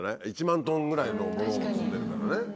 １万ｔぐらいのものを積んでるからね。